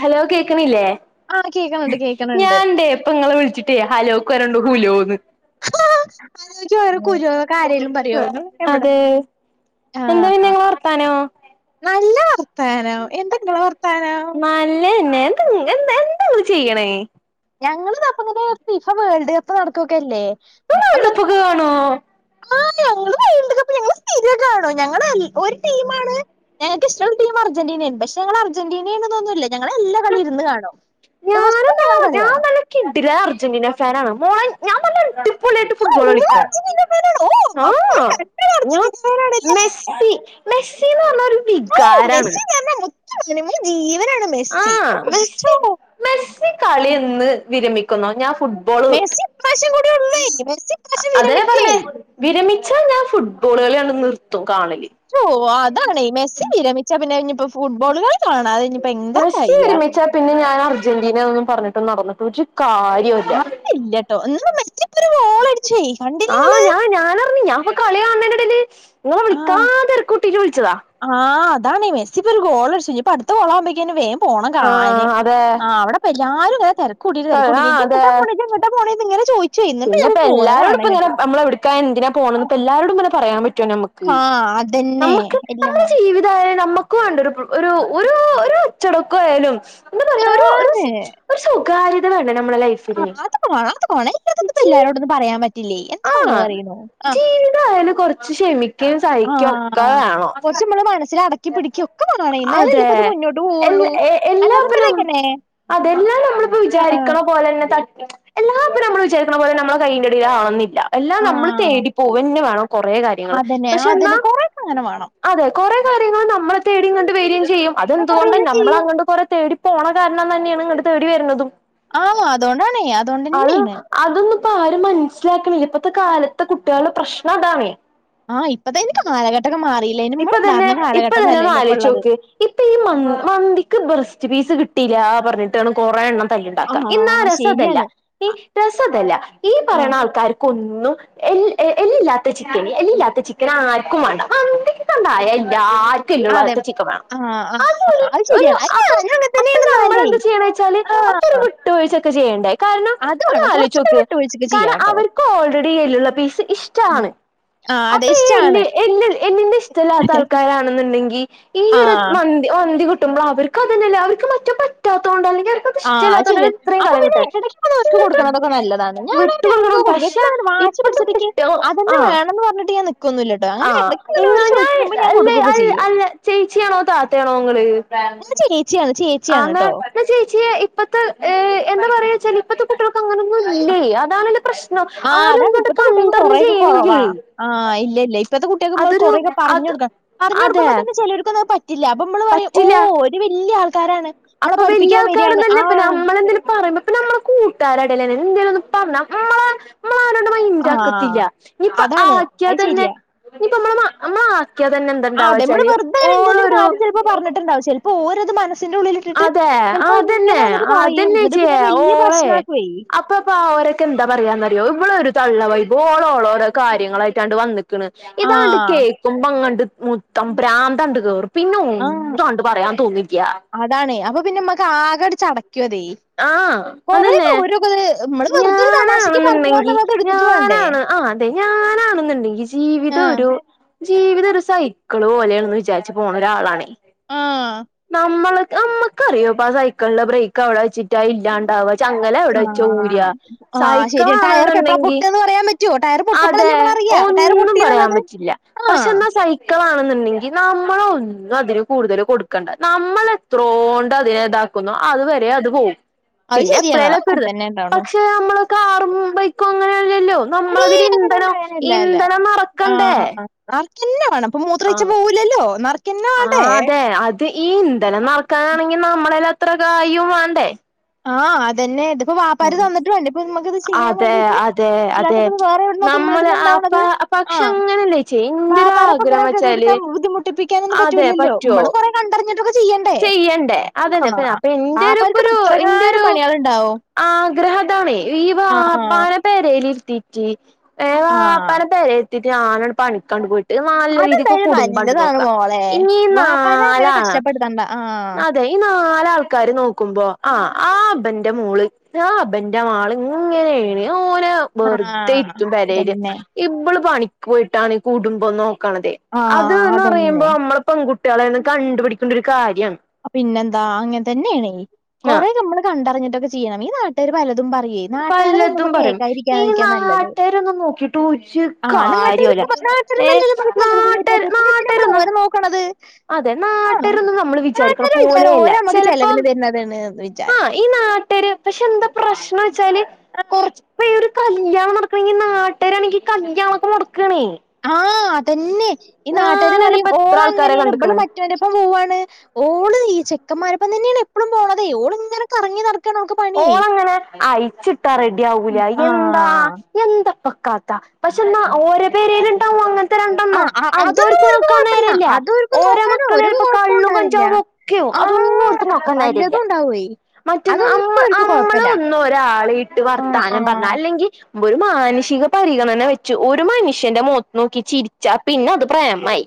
Hello കേക്ക്ണില്ലേ ആഹ് കേക്കണണ്ട് കേക്കണണ്ട് ഞൻന്തേ ഇപ്പ ഇങ്ങളെ വിളിച്ചിട്ടേ ഹലോക്ക് പറണ്ടോ ലോ ഒന്ന് [unintelligible] കുരുനോക്കെ ആരേലും പറയൊ നിങ്ങള് എവിടെ അതെ ആ എന്താ പിന്നെ ഇങ്ങളെ വർത്താനോ നല്ലർ വർത്താനോ എന്ത ഇങ്ങളെ വർത്താനോ നല്ലന്നെ എന്താ ഇങ്ങള് ചെയ്യ്ണേ ഞങ്ങള് തപ്പുന്നത് ഫിഫ വേൾഡ് കപ്പ് നടക്കുവൊക്കെ അല്ലേ വേൾഡപൊക്കെ കാണുവോ ആ ഞങ്ങള് വേൾഡ്കപ്പ്‌ ഞങ്ങള് സ്ഥിരംകാണും ഞങ്ങടെ ഒരു ടീമാണ് ഞങ്ങക്ക് ഇഷ്ടൊള്ള ടീം അർജന്റീനയാണ് പക്ഷെ ഞങ്ങ അർജന്റീനന്ന്ഒന്നുല്ല ഞങ്ങള് എല്ലാ കളി ഇരുന്ന് കാണും ഞാൻ ദിവസവും ഒന്നാ ഞങ്ങള് കളി ഞാൻ കാണും നല്ല കിടില അർജന്റീന ഫാൻ ആണ് മോളെ ഞാന്നല്ലടിപ് പൊളിയാട്ട് ആഹ് ഫുട്ബോൾ ഇങ്ങള് കളിക്കും. അർജന്റീന ഫാനാണോ ഓഹ് അപ്പൊ ഇങ്ങള് ആ. നല്ലൊരു ഞാ അർജന്റീന ഫാനാണല്ലേ മെസ്സി മെസ്സിന്ന് പറഞ്ഞ ഒരു ഓ വികാരാണ് മെസ്സി എന്ന് [unintelligible] ആ മെസ്സി ഓ ശ്ശോ, മെസ്സി മെസ്സി കളി എന്ന് വിരമിക്ക ന്നൊ ഞാ അഹ് മെസ്സി ഇപ്രശം കൂടെ ഉളേ മേസ്സി ഇപ്രശം വിരമികുവെ ച്ച ഞാൻ ഫുട്ബോൾ കളി അട് നിർത്തും കാണല് ഓ അതാണെ മെസ്സി വിരമിച്ച പിന്നെ ഇനിപ്പോ ഫുട്ബോളുകളി മഷി വിരമിച്ച പിന്നെ ഞാൻ അർജന്റീന എന്നന്നും പറഞ്ഞിട്ട്‌ നടന്നിട്ടൊരു അ ഇല്ലട്ടോ [unintelligible] മെസ്സി ഇന്ന് ഒരു ഗോൾ അടിചേ കണ്ടില്ലേ ങ്ങള് പ്പില് ങ്ങളെ വിളിക്കാതെരക്ക്‌ കൂട്ടിട് വിളിച്ചതാ ആ അതാണ് മെസിപ്പ ഒരു ഗോളടിച്ചു ഇനീപ്പോ അടുത്തഗോളമ്പോനേക്ക് വേം പോണം കാണാന് ആഹ് അതെ യാരും [unintelligible] കൂട്ടീട്ട് വര കൂട്ടിക്കയിഞ്ഞപ്പ ഏങ്ങടാ പോണെ ഇതെങ്ങടാടാ പോണെന്നിങ്ങനെ ചോയ്ക്കു പിന്നെ ഇപ്പ എല്ലാരോടും ഇപ്പ ഇങ്ങന നമ്മള്എവിടെയ്ക്ക എന്തിന പോണന്ന്‌ ഇപ്പോ എല്ലാരോടുംങ്ങനെ പറയാൻ പറ്റു റ്റൊ നമുക്ക് ആ അതന്നെ നമ്മക്ക് എല്ലാം നമ്മള് ജീവിത ലേ നമ്മക്കും ഒണ്ട് ഒരു പ് ഒരു ഒരു അച്ചടക്കം ആയാലും ആന്നേ കാര്യകളാൺ ആ അതൊക്കെ വേണം അതൊക്കെ വേണം എനിക്കിതിപ്പ ജി എല്ലാരോടൊന്നും പറയാൻ പറ്റില്ലേ എത്താ ഇപ്പ നിങ്ങള് പറയണോ ആ ക്ഷെ ക്ഷെമി ക്കേം സഹിക്കോം ആ കൊറച്ച് ഇമ്മള് മനസ്സില് അട അതെ എൽ പോവുള്ളൂ അല്ലാതിപ്പ എല്ലാത്തിനും ഇതെങ്ങനെ അതെ എല്ലാം നമ്മളിപ്പോ ആ വിചാരിക്കണ പോലന്നെ എല്ലാം ഇപ്പ നമ്മള് വിചാരിക്കണപോലെ നമ്മടെ കയ്യിന്റെ എടേൽ ആവണമെന്നില്ല എല്ലാം ആ നമ്മള് തേടിപ്പോവന്നെ വേണം കൊറേ കാര്യങ്ങള് അതന്നെ പക്ഷെ എന്നാ അതന്നെ കൊറെയൊക്കെ അങ്ങനെ വേണം അതെ കാര്യങ്ങള് നമ്മളെ തേടി ഇങ്ങട്ട് വരീ ചെയ്യും ആ, അതെന്തുകൊണ്ട് അറിയുകയും നമ്മള് ചെയ്യും അങ്ങണ്ട് കൊറേ തേടി പോണ കാരണം തന്നെയാണ് ഇങ്ങട് തേടി വരുന്നതും ആ അതുകൊണ്ടാണേ അതുകൊണ്ടന്നെയാണ് ഇപ്പ ആരും മൻസ്സിലാക്കണില്ല ഇപ്പത്തെ കാലത്തെ കുട്ടികളുടെ പ്രശ്നം അതാണേ ആഹ് ഇപ്പതിനി കാലഘട്ടൊക്കെ മാറില്ലേ അയിന് ഇമ്മള് [unintelligible] ഇപ്പൊത്തന്നെ ഒന്ന് ആലോചിച്ചു നോക്ക് ഇപ്പൊ ഈ മ മന്തിക്ക് ബ്രസ്റ്റ് പീസ് കി ട്ടീലാ പറഞ്ഞിട്ടാണ് കൊറേ എണ്ണം ആ തല്ലുണ്ടാക്ക ഇന്നാ രസം അതല്ല ശരിയാണ് ഈ രസതല്ല ഈ ആ പറയണ ആൾക്കാർക്കൊ ഒന്നും എൽ ഏല്ലില്ലാത്ത ചിക്കനി എല്ലില്ലാത്ത ചി ക്കന് ആർക്കും വാണ്ട മന്തിക്ക് [unintelligible] ല്ലാര് ക്ക് അതെ എല്ലുള്ളാത്ത ചിക്കൻ വേണം ആ ആ ആ അതൊരു അത് ഒരു ശരിയാണ് അത് അപ്പൊ ഞാനും അങ്ങനെ അപ്പ തന്നെയാണ് എന്നാലേ നമ്മളെന്താ ചെയ്യണ വെച്ചാല് ആ അപ്പൊ ഒരു ആ വിട്ടുവീഴ്ച്ചക്കെ ചെയ്യണ്ടേ കാരണം അതാണ് ഒന്നാലോയിച്ച് കുറച്ചൊക്കെ നോക്ക് വിട്ടുവീഴ്ചയൊക്കെ ചെയ്യാം കാരണം കേട്ടോ അവർക്ക് ഓൾറെഡി ഈ എല്ലുള്ള പീസ് ഇഷ്ടാണ് ആ അതെ അപ്പൊ ഈ എല്ല് ഇഷ്ടാണ് എല്ല് എല്ലിന്റെ ഇഷ്ടല്ലാത്ത ആൾ ആണെന്നുണ്ടെങ്കി ആ ഈയൊരു മന്തി മന്തി കിട് ട്ടുമ്പള് അവർക്ക് അതന്നെയല്ലേ അവർക്ക് മറ്റേ പറ്റാത്തോണ്ട്ല്ലേ ആഹ് ശരി അപ്പൊ പിന്നെ എടക്കൊക്കൊന്ന് അവർക്ക് എന്നിട്ട് കൊടുക്കണതൊക്കെ നല്ലതാണ് വിട്ട് ഞാനവന് കൊടുക്കണം ഇടക്കൊക്കെ കൊടുക്കും പക്ഷെ എപ്പളും അങ്ങനെ വാശി ഇപ്പത്തെ പിടിച്ചിട്ടിക്ക് കുട്ടികൾ അതന്നെ ആഹ് വേണംന്ന് പറഞ്ഞിട്ട് ഇങ് നി ആഹ് ഇങ്ങ ഞാൻ അല്ലെ കൊടുക്കുകയൊക്കെ അൽ ചെയ്യും അല്ലേ ചേച്ചിയാണോ താത്തയാണോ നിങ്ങള് ഞാൻ ചേച്ചിയാണ് ചേച്ചിയാണ് ആന്നേ കേട്ടോ [unintelligible] ച്ചിയെ ഇപ്പത്തെ ഏ എന്താ പറയേച്ചല് ഇപത്തെ ആഹ് അഹ് ആരും അതാണ് ഇങ്ങട്ട് ഇപ്പത്തെ കുട്ടികൾക്ക് കണ്ടറിഞ്ഞ് കൊറെക്കെ കൊറവാ ചെയ്യണില്ലേ ആഹ് ഇല്ല ഇല്ല ഇപ്പത്തെ കുട്ടികൾക്ക്മ്മൾ അതൊരു കൊറെക്കെ പറഞ്ഞു അത് കൊടുക്കാ പറഞ്ഞു അതെ കൊടുക്കുമ്പോ തന്നെ ചെലോരുക്കൊന്നുത് പറ്റ് ല്ല അപ്പൊ നമ്മള് പറയും ഓ പറ്റില്ല ഓര് വല്ല്യാ ആൾ അപ്പൊ വല്ല്യാ ആൾക്കാരൊന്നല്ലേപ്പ നമ്മളെന്തേലും പറയുമ്പോ ഇപ്പ നമ്മെളെ കൂട്ടാരടേല്. ന്തിനന്ന് പറഞ്ഞ മ്മളെ ഞാനത് ആ മൈന്റാക്കത്തില്ല ഇനിപ്പ അതാണ് ആക്കിയാ അത് തന്നെ നമ്മള് നമ്മള ആക്കിയാ തന്നെ എന്തുണ്ടാവാ അതെ നമ്മള് വെച്ചാല് വെറുതേ എന്തേലും ഒരു ഓളൊരു കാര്യം ചിലപ്പോ പറഞ്ഞിട്ടുണ്ടാവും ചിലപ്പോ ഓവ ത് മനസ് അതെ അതെന്നെ വന്നിട്ട് പറയും അതെന്നെ എന്നിട്ട് പിന്നെ ചിയേ വല്യ ഓളെ പ്രശ്നാക്കുവേ അപ്പപ്പ അവരൊക്കെ എന്താ പറയാന്നറിയോ ഇവളോരു തള്ള വൈബ് ഓളോളോരോ കാര്യങ്ങളായിട്ടാണ്ട് വന്ന ഇതണ്ട് ആഹ് കേൾക്കുമ്പങ്ങട് മൊത്തം ബ്രാന്തണ്ട് കേറും പിന്നെ ആഹ് രണ്ട് പറയാ തോന്നിഎചിയ അതാണ് അപ്പൊ പിന്നെ നമ്മക്ക് ആകട് ചട ആഹ അതല്ലേ ഓരോക്കെ നമ്മള് വെറുതെ ഒരു തമാശക്ക് ഞാനാണെന്നുണ്ടെങ്കി പറഞ്ഞതാന്നുള്ളത് എടുത്തിട്ട് വേണ്ടേ ഞാനാണ് ആ അതെ ഞാനാണെന്നുണ്ടെങ്കി ജീവിതം ആഹ് ഒരു ജീവിത ഒരു സൈക്കിള് പോലെയാണന്ന് വിചാരിച്ച് പോണ ഒരാളാണേ ആഹ മ്മ നമ്മക്ക അറിയോ അപ്പ ആ സൈക്കിളുടെ ബ്രേക്ക് അവിടെ ചിട്ട ഇല്ലാണ്ടവ ചങ്ങല അവിടെ വെച്ച ഊര്യ ആഹ് ആഹ് സൈക്കിൾ ശരിയാ ടയർ ഇപ്പ എപ്പളാ ആണെന്നുണ്ടെങ്കി പൊട്ടാന്ന് പറയാൻ പറ്റുവോ ടയർ പൊട്ടുമ്പോഴല്ലേ അതെ നമ്മള് അറിയാ ടയർ ഒന്നും പറയാൻ പൊട്ടിന്നുള്ളത് പറ്റില്ല പക്ഷെ ആഹ് എന്നാ സൈക്കിൾ ആണ നമ്മളൊന്നും അതിന് കൂടുതൽ കൊടുക്കണ്ട നമ്മൾ എത്രോണ്ടതെ താകുന്നോ അതുവരെ അത് ഹ അത് പിന്നെ ശരിയാണ് അത് അങ്ങനെ എപ്പളെലൊക്കെത് തന്നെ ഉണ്ടാവണു പക്ഷെ നമ്മള കാർ മുംബൈക്കോ അങ്ങനെ ല്ലോ നമ്മളതിൽ ഏയ് അങ്ങനെയല്ല ഇന്ധനം അങ്ങനെയല്ല ഇന്ധനം നറക്കണ്ടേ പിന്നെ പണം ആഹ ആ അതെ അത് ഈ ഇന്ധനം നറക്കാനാണെങ്കിൽ നമ്മളെല്ലാം എത്ര കായും വെണ്ടേ ആഹ അതന്നെ ഇത് ഇപ്പൊ വാപ്പാർ തന്നിട്ട് വേണ്ടേ ഇപ്പ നമുക്ക്ത് ചെയ്യാൻ അതെ വേണ്ടീട്ട് അതെ അല്ലാതെ അതെ ഇപ്പത് വേറെ നമ്മള് അപ്പ എവിടുന്നമ്മളടുണ്ടാവണത് പക്ഷെ ആഹ അങ്ങനെയല്ലേ ചേച്ചി എന്റെ ഒരു വാപ്പാരപ്പൊ ആഗ്രഹം ഇങ്ങനെ എടുത്താ വെച്ചാല് ബുദ്ധിമുട്ടിപ്പിക്കാാനൊന്നും അതെ പറ്റൂല്ലല്ലോ പറ്റുവോ നമ്മള് കൊറെേ കണ്ടറിഞ്ഞിട്ടൊക്കെ ചെയ്യണ്ടേ ചെയ്യണ്ടേ ആ അതന്നെ ഇപ്പ അപ്പൊ എന്റെ ഒരു വാപ്പാർക്ക് പ എത്രകാലം പണികാളുണ്ടാവും ആഗ്രഹതാണേ ഈ വാപ്പാനെ പേരെ ഇര് ത്തിട്ട് ആഹ് വാപ്പാനെ പേരെ ട്ട് ഞാനാണ്ട് പണിക്കണ്ട് പോയി നല്ല രീതിക്ക് അതെന്തായാലും കുടുംബണ്ട് നല്ലതാണ് നോക്ക. മോളെ ഇനി വാപ്പാനെ അങ്ങനെ നാലാ കഷ്ടപ്പെടുത്തണ്ട ആഹ് അതെ ഈ നാലാൾക്കാര് നോക്കുമ്പോ ആ ആ അബന്റെ മോള് അബന്റെ മാള് ഇങ്ങനെണ് ഓനെ വെറുതെ ആഹ് ഇരുത്തും പരയില് അതന്നെ ഇബള് പണിക്ക പോയിട്ടാണ് കുടുംബം നോ അത് ആഹ് എന്ന് അതന്നെ പറയുമ്പോ നമ്മള് പെൺകുട്ടി കുട്ടിളേന്ന് കണ്ടപടിക്കേണ്ട ഒരു കാര്യം പിന്നെന്താ അങ്ങനെ തന്നെണ് ആ കൊറെേ നമ്മള് കണ്ടറിഞ്ഞിട്ട ചെയ്യണം ഈ നാട്ടാര് തും പറയേ നാട്ടുകാരതന്നപ്പോ പലതും പറയും ഈ കേൾകാതിരിക്കാരിക്ക നല്ലത് നാട്ടാരൊന്നും നോക്കിട്ട് ഒരു ആ കാര്യല്ല നാട്ടുകാരിപ്പം ഏ നാട്ടുകാരോന്നുവല്ലല്ലോ നമ്മുക്ക് ചെലവിന് നാട്ട തരുന്നത് പിന്നെഎന്തിനാ നാട്ടാരൊന്നും നമ്മളോരെ നോക്കണത്. അതെ നാട്ടരൊന്നും നമ്മ വിചാരിക്കണ ഒരു വിചാരം പോലെയല്ല ഓര് നമ്മക്ക് ചെലപ്പം ചെലവിന് തരുന്നതാണ് ആ വിചാരം ഈ നാട്ടര് പക്ഷെ എന്താ പ്രശ്നവെച്ചാല് ആ കല്യാണം നടക്കണെങ്കി നാട്ടുകാരാണെങ്കി കല്യാണൊക്കെ മുടക്കാണേ ആതന്നെ ഈ നാട്ടുകാര് പറയും ഇപ്പ ഓള എത്ര ആൾക്കാരെ അങ്ങനെയാണ് ഇബള് കണ്ട്ക്ക്ണ് മറ്റൊന്റൊപ്പം പോവാണ് ഓള് ഈ ചെക്കന്മാരൊപ്പം തന്നെയാണ് എപ്പോഴും പോണതേ ഓളിങ്ങനെ കറങ്ങി നട ഓളങ്ങനെ അയിച്ചിട്ടാ റെഡി ആവൂല ആ എന്താ എന്താപ്പ കഥ പക്ഷെ എന്നാ ഓരെ പേരേലുണ്ടാവും അങ്ങന ആ അ അതന്നാരം ഓരുക്ക്‌ കൊഴപ്പവില്ല അത് ഓരുക്ക് ഓരോ നോക്കാനൊ മക്കള് ഒരു ചെലപ്പോ കൊഴപ്പോ കള്ളും ഉണ്ടാവില്ല കഞ്ചാവും ഒക്കെയാവും ആ അതൊന്നും ഓർക്ക് നോക്കാൻ നേരല്ല പല്ലതു ഉണ്ടാവേ മറ്റൊന്ന് അമ്മ അതൊന്നും അവർക്ക് കൊഴപ്പല്ല അമ്മളൊന്ന് ഒരാളെ ഇട്ട് ആഹ് വർത്താനം പറഞ്ഞ ആഹ് അല്ലെങ്കിൽ ഒരു മാനുഷിക പരിഗണന വെച്ച് ഒരു മനുഷ്യന്റെ മോത്ത് നോക്കി ചിരിച്ചാ പിന്നെ അത് പ്രേമായി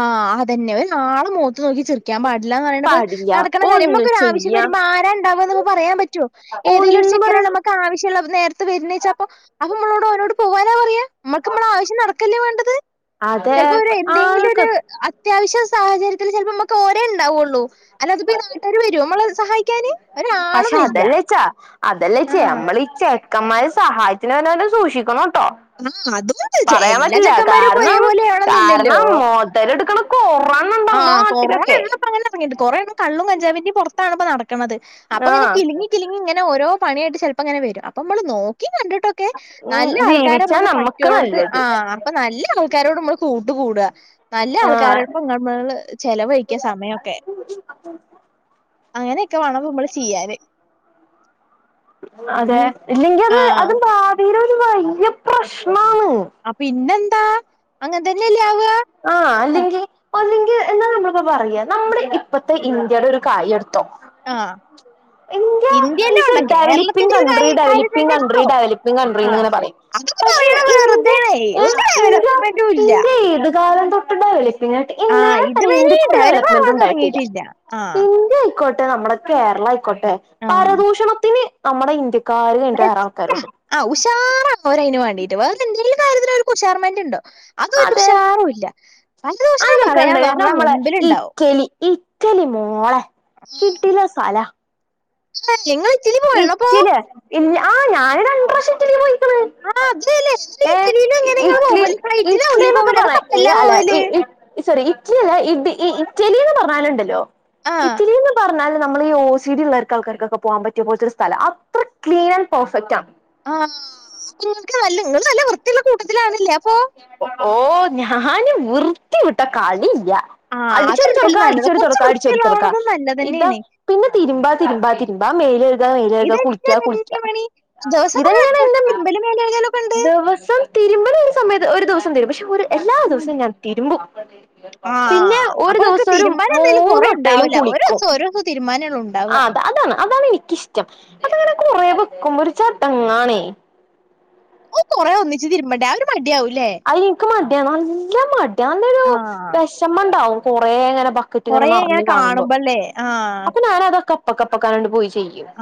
ആ അതന്നെ ഒരാള് മോത്ത് നോക്കി ചിരിക്കാൻ പാടി ല്ലാന്ന് പറയാണപ്പം പാടില്ല നടക്കണ കാര്യം ഒന്നും നമുക്കൊരാവശ്യം ചെയ്യാ വരുമ്പോ ആരാ ഉണ്ടാവുവാന്നപ്പം പറയാൻ പറ്റുവൊ ഏതേലും ഒരു ഒന്നും ചെക്കനാ പറയാ നമ്മക്കാവശ്യം ക്കുള്ളപ്പോ നേരത്തെ വരുന്നേച്ച അപ്പൊ അപ്പൊ നമ്മളോട് അവനോട് പോവാനാ പറയാ മ്മക്ക് മ്മടെ ആവശ്യം നടക്കല്ലേ വേണ്ടത് ചിലപ്പോ അവരെന്തെങ്കിലും ക്ക ത്യാവശ്യ സാഹചര്യത്തിൽ ചിലപ്പോ നമുക്ക് ഒരേ ഉണ്ടാവുള്ളൂ അല്ലാതിപ്പോ ഈ നട്ടാര് വരോ നമ്മളെ സഹായിക്കാന് ഒരാളും വരില്ല അതല്ലേച്ചിയെ ആഹ് നമ്മളി ച്ചെ ക്കന്മാര് സഹായത്തിന് വെരുന്നോരെ സൂക്ഷിക്കണോ ട്ടൊ ആഹ് അതുണ്ട് പറയാൻ എല്ലാ പറ്റില്ല ചെക്കന്മാരും ഇപ്പൊ കാരണം ഒരേപോലെ ആവണന്നില്ലല്ലോ കാരണം മോതലെടുക്കണ കൊറേ ആ കൊറേ [unintelligible] കൊറേണ്ണം കള്ളും കഞ്ചാവിന്റെയും പുറത്താണിപ്പ നട ക്കണത് അപ്പൊങ്ങനെ ആഹ് കിലുങ്ങി കിലുങ്ങി ഇങ്ങനെ ഓരോ പണിയായിട്ട് ചെലപ്പങ്ങനെ വരും അപ്പ മ്മള് നോക്കി കണ്ടും ട്ടൊക്കെ ഉം നല്ല ആൾക്കാരെ ജീവിച്ചാ നമ്മക്ക് പറ്റിയോടത്ത് ആ നല്ലത് അപ്പൊ നല്ല ആൾ ക്കാരോട് നമ്മള് കൂട്ട് കൂടുക നല്ല ആഹ് ആൾക്കാരോടൊപ്പം അങ്ങോ നമ്മള് ചെിലവഴിക്കാ സമയൊക്കെ അങ്ങനെയൊക്കെ വേണം നമ്മള് ചെയ്യാന് അതെ ഉം ഇല്ലെങ്കിൽ അത് ആഹ് അതും ഭാവിയിലും വലിയ പ്രശ്നമാണ് അപ്പൊ ഇന്ന ന്താ അങ്ങനെ തന്നെയല്ലേ ആവ ആ അല്ലെങ്കി അല്ലെങ്കി എന്താണ് നമ്മളിപ്പോ പറയ്യ നമ്മള ഇപ്പത്തെ ഇന്ത്യയുടെ ഒരു കാര്യം എടുത്തോ ആഹ് ഇന്ത്യ ഇന്ത്യന്നെ ഈസ് എ വേണ്ട ഡെവലപ്പിംഗ് കേരളത്തിന്റെ ഒരു കൺട്രി കാര്യ കാര്യം ഡെവലപ്പിംഗ് തന്നെ കൺട്രി എടുത്തോ ഡെവലപ്പിംഗ് ആഹ് കൺട്രിന്ന്ങ്ങനെ പറയും അതൊക്കെ പക്ഷെ പറയണ ഇന്ത്യ വെറുതെയാണേ ഒരു ഡെവലപ്മെന്റും ഇല്ല ഇന്ത്യ തൊട്ടണ്ടാവില്ലേ എന്നാ ആഹ് പറ എക്കും ഇതുവരെ ഡെവലപ്പ് ഡെവലപ്മെന്റ് ആവാൻ ഉണ്ടായിട്ടില്ല തുടങ്ങിയിട്ടില്ല ആഹ് ഇന്ത്യ ആയിക്കോട്ടെ നമ്മട കേരള ക്കോട്ടെ പരദൂഷണത്തിന് നമ്മുടെ ഇന്ത്യ ആ ഉഷാറ അവർ അയിനുവേണ്ടി അതിനു വേണ്ടീട്ട് വേറെ എന്തെങ്കിലും കാര്യത്തിന് അവരക്ക് ഉഷാർമെന്റ്ണ്ടോ അതൊ പക്ഷെ അതെ ഉഷാറുമില്ല പരദൂശണം അയിനൊക്കെ പറയാൻ ഉണ്ട് പറഞ്ഞാ നമ്മളെ മുമ്പിലുണ്ടാവും ഇറ്റലി ഇറ്റലി മോളെ കിടിലൻ സ്ഥല നിങ്ങൾ ഇറ്റലിയ ഇല്ല ആ ഞാന് രണ്ട്രാശം ഇറ്റലിപോയി ആ അതേലെ ഇറ്റലില് എങ്ങനെ നിങ്ങള് ഇറ്റലി പോവല് ഫ്ലൈറ്റിലാവല്ലേ ഇറ്റലിന്നൊക്കെ പോവല് അതല്ലെ കപ്പലില പോവൽ ഇല്ല ഇ ഇറ്റലി എന്ന് പറഞ്ഞാലുണ്ടല്ലോ ആഹ് ഇറ്റലിന്ന് പറഞ്ഞാല് നമ്മളെയി ഓസീടിള്ളാൾക്കാർക്ക് ഒക്കെ പോവാൻ പ റ്റിയ പോലത്തൊരു സ്ഥല അത്ര ക്ലീൻ ആൻഡ് പെർഫക്റ്റ് ആണ് ആ നല്ല നിങ്ങൾ നല്ല വൃത്തിയുള്ള കൂട്ടത്തിൽ ആണ് അല്ലേ അപ്പൊ ഓ ഞാൻ വൃത്തിവിട്ട കളി ഇല്ല ആഹ് അടിച്ചൊരു തുറക്ക അതെന്തായാലും നല്ലതാ അടിച്ചൊരു കുറച്ച് തുറക്ക അടിച്ചൊരു തുറക്കാ വൃത്തിയുള്ളാവണത് ഇതാ നല്ലതന്നെയാണ് പിന്നെ തിരുമ്പാ [unintelligible] മേല് കഴുകുക ഇത് കുളിക്ക കുളിക്ക തന്നെ പണി ദിവസപ്പങ്ങള് ഇതന്നെയാണ് എത്ര എൻ്റെ വട്ടം തിരുമ്പലും മേല് കഴുകലൊക്കെ ദിവസം തിരുമ്പ ഒരു സമയത്ത് ഒരു ദിവസം തീരുമ്പും പക്ഷെ ഒരു എല്ലാ ദിവസവും ഞാൻ തിരുമ്പും ആ പിന്നെ ഒരു അപ്പൊതക്കെ ദിവസം ഒരു തിരുമ്പാന് എന്തെങ്കിലും കുറേ മൂന്നൊട്ടേലും ഉണ്ടാവൂല്ല ഓ കുളിക്കും ദിവസം ഓ ദിവസം തീരുമാനങ്ങള ഉണ്ട് ആ അതെ അതാണ് അതാണ് എനിക്കിഷ്ടം അതങ്ങനെ കൊറെ വെക്കുമ്പോ ഒരു ചട്ടങ്ങാണേ ഓ്റെേ ഒന്നിച്ച് തിരുമ്പണ്ടേ അവര് മടിയാവ അ എക്ക് മടിയാനല്ല മട്യ അന്ന ഒരു വിഷമ ഉണ്ടാവും കൊറ അങ്ങനെ കൊറെ ഇങ്ങനെ കാണുമ്പോല്ലേ ആ പക്കപ്പക്കാണ്ട് പോയിു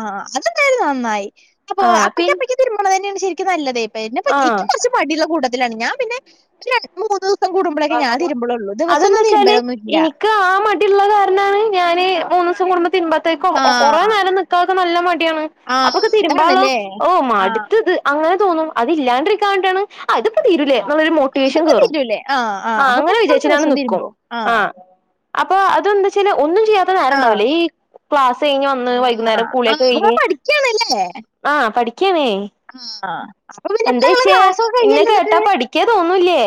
ആഹ് അതെന്താര് നന്നായി അപ്പൊ ആഹ് പിൻ അപ്പയ്ക്കപ്പക്ക് തരുമ്പോണ [unintelligible] നല്ലതേ പിന്നെ എന്നെ ആഹ് എക്കും കുറച്ച് മടില്ല കൂ ഇതാണ് ഞാൻ പിന്നെ രണ്ട് മൂന്ന് കൂടുമ്പോഴൊക്കെ ഞാൻ തിരുമ്പലുള്ളൂ അതെന്താ ദിവസൊന്നും വച്ചാല് തിരുമ്പലൊന്നും ഇല്ല എനിക്ക് ആ മടിുള് കാരണമാണ് ഞാന് മൂന്നു ദിവസം കൂടുമ്പോ തിൻമ്പത്തേക്ക് കൊറെേ ആഹ് നേരം നിക്ക് നല്ല ട്യണ്‌ ആഹ് അപ്പൊക്കെ തിരുമ്പാളോ അതാണല്ലേ ഓ ആഹ് മടുത്തത് അങ്ങനെ തോന്നും അതലാണ്ടിരിക്കാണ്ടാണ് അതിപ്പോ തീരലേ ഒരു മോട്ടിവേഷൻ അതിപ്പോ കെറും തീരൂലേ ആഹ് ആഹ് അപ്പൊ പിന്നെ കൊഴപ്പില്ല എല്ലാസും തിരുമ്പോ ആഹ് അപ്പൊ അതെന്താച്ചാല് ഒന്നും ചെയ്യാത്ത നേരം ആഹ് ഉണ്ടാവില്ല ഈ ക്ലാസ് കഴിഞ്ഞ് വന്ന് വൈകുന്നേരം ആഹ് ആഹ് കുളിയൊക്കെ അപ്പൊ നിങ്ങൾ കഴിഞ്ഞ് പഠിക്കാണല്ലേ ആഹ് പഠിക്കാണേ, ആഹ് അപ്പൊ പിന്നെ ഇപ്പ എന്തേ നിങ്ങള് കഴിച്ചേ ക്ലാസ്സൊക്കെ ഇന്നെ കഴിയല്ലോ എന്നിട്ട് കേട്ടാ പഠിക്കാ തോന്നൂല്യേ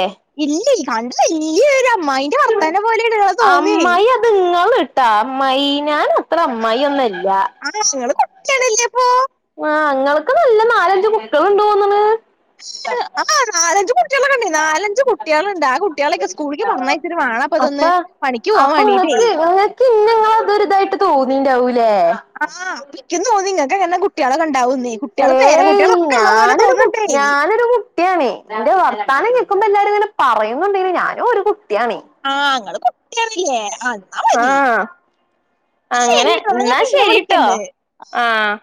[unintelligible] അമ്മായിന്റെ വർത്താനം പോലെയാണ് ഇങ്ങളെ തോന്നിയേ അമ്മായി അത് നിങ്ങള് ട്ടാ അമ്മായി ഞാൻ അത്ര അമ്മായി ഒന്നല്ല ആഹ് [unintelligible] ആഹ് ഇങ്ങള്ക്ക് നല്ല നാലഞ്ച് കുട്ട്യോള്ണ്ടോന്ന്ണ്. ആഹ് നാലഞ്ച് കുട്ടികളൊക്കെ ഉണ്ട് നാലഞ്ച് കുട്ടികളുണ്ട് ആ കുട്ടികളെയൊക്കെ സ്കൂളിലേക്ക് പറഞ്ഞയച്ചിട്ട് വേണം അപ്പൊ അപ്പ ഇതൊന്ന് പണിക്ക് പോവാൻ അപ്പൊ വേണ്ടീട്ടേ ഇങ്ങൾക്ക് ഇങ്ങൾക്ക് ഇന്നെ ഇങ്ങളെ ഇതൊരുതായിട്ട് തോന്നിണ്ടാവൂ [unintelligible] ആഹ് ഇക്കും തോന്നി ഇങ്ങൾക്ക് എങ്ങെനെ കുട്ടിയളൊക്കെണ്ടാവുന്ന് ഏയ് ഞാനൊരു തോന്നുണ്ടേ ഞാനൊരു കുട്ടിയാണ് ഇന്റെ വർത്താനം കേ ക്കുമ്പോ എല്ലാരു ഇങ്ങനെ പറയുന്നുണ്ടെങ്കിലും ഞാനും ഒരു കുട്ടിയാണ്. ആഹ് ഇങ്ങള് കു ല്ലേ എന്നാ മതി ആഹ് അങ്ങനെ ശെരിട്ടോ ഞാൻ എന്നാ പിന്നെ ശരിട്ടോ വിളിക്കണ്ട്. ആഹ്